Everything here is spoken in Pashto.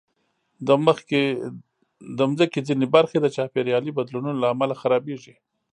د مځکې ځینې برخې د چاپېریالي بدلونونو له امله خرابېږي.